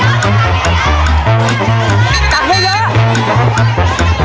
ให้มันไปก่อนนะให้มันเก่งก่อนนะลูก